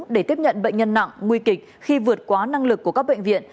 để tiếp nhận bệnh nhân nặng nguy kịch khi vượt quá năng lực của các bệnh viện